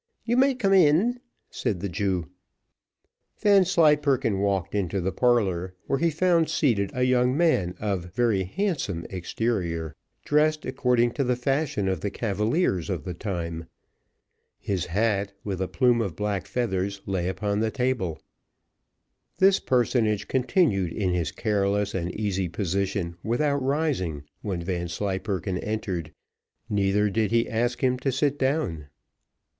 you may come in," said the Jew. Vanslyperken walked into the parlour, where he found seated a young man of very handsome exterior, dressed according to the fashion of the cavaliers of the time. His hat, with a plume of black feathers, lay upon the table. This personage continued in his careless and easy position without rising when Vanslyperken entered, neither did he ask him to sit down.